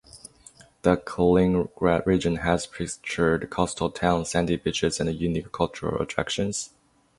The Kaliningrad region has picturesque coastal towns, sandy beaches, and unique cultural attractions.